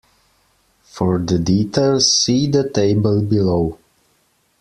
For the details see the table below.